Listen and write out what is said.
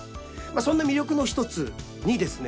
そんな魅力の一つにですね